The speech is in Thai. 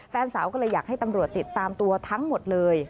แฟนสาวก็เลยอยากให้ตำรวจติดตามตัวทั้งหมดเลย